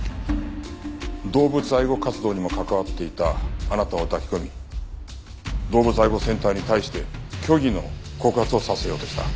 動物愛護活動にも関わっていたあなたを抱き込み動物愛護センターに対して虚偽の告発をさせようとした。